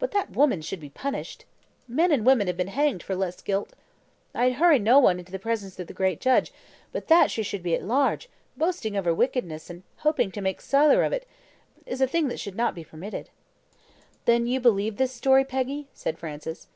But that woman should be punished. Men and women have been hanged for less guilt. I'd hurry no one into the presence of the Great Judge; but that she should be at large, boasting of her wickedness, and hoping to make siller of it, is a thing that should not be permitted." "Then you believe this story, Peggy?" said Francis.